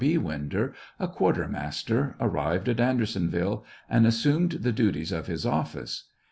B. Winder, a quartermaster, arrived at Andersonviile and assumed the duties of his office.